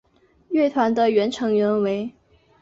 乐团的原成员为。